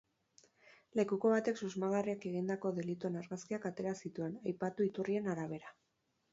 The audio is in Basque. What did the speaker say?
Lekuko batek susmagarriak egindako delituen argazkiak atera zituen, aipatu iturrien arabera.